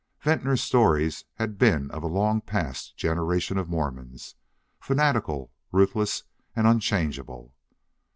Venters's stories had been of a long past generation of Mormons, fanatical, ruthless, and unchangeable.